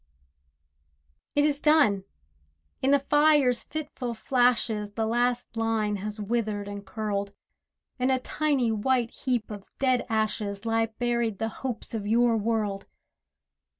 It is done! in the fire's fitful flashes, The last line has withered and curled. In a tiny white heap of dead ashes Lie buried the hopes of your world.